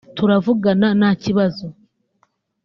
turavugana nta kibazo